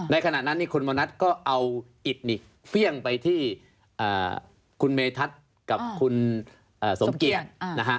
ในขณะนั้นคุณมณัฐก็เอาอิทธิ์เพี่ยงไปที่คุณเมทัศน์กับคุณสมเกียจ